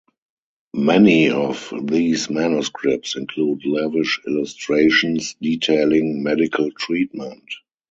Many of these manuscripts include lavish illustrations detailing medical treatment.